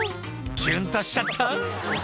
「キュンとしちゃった？」